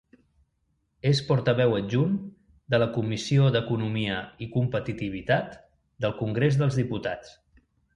És portaveu adjunt de la Comissió d'Economia i Competitivitat del Congrés dels Diputats.